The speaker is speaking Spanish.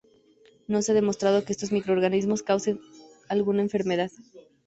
No se ha demostrado que estos microorganismos causen alguna enfermedad.